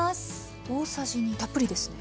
大さじ２たっぷりですね。